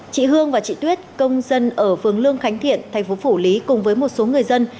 các công dân ở phường lương khánh thiện thành phố phủ lý cùng với một số người dân